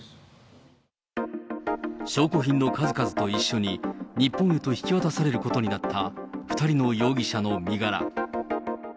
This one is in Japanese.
証拠品の数々と一緒に日本へと引き渡されることになった２人の容疑者の身柄。